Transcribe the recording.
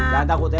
jangan takut ya